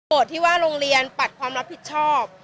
ที่ว่าโรงเรียนปัดความรับผิดชอบ